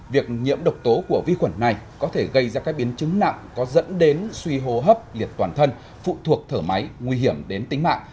việc nhiễm độc tố của vi khuẩn này có thể gây ra các biến chứng nặng có dẫn đến suy hô hấp liệt toàn thân phụ thuộc thở máy nguy hiểm đến tính mạng